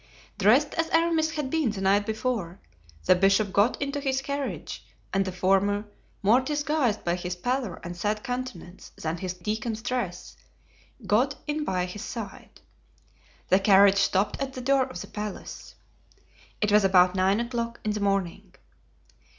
Dressed as Aramis had been the night before, the bishop got into his carriage, and the former, more disguised by his pallor and sad countenance than his deacon's dress, got in by his side. The carriage stopped at the door of the palace. It was about nine o'clock in the morning.